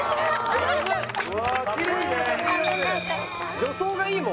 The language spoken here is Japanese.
助走がいいもん。